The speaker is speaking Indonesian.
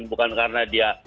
bukan karena dia